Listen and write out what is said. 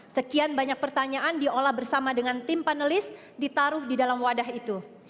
sekian banyak pertanyaan diolah bersama dengan tim panelis ditaruh di dalam wadah itu